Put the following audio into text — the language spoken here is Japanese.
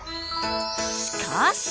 しかし！